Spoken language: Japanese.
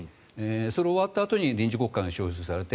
それが終わったあとに臨時国会が召集されて